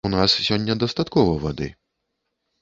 У нас сёння дастаткова вады.